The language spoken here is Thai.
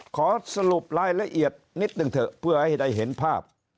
ขอสรุปรายละเอียดนิดหนึ่งเถอะเพื่อให้ได้เห็นภาพ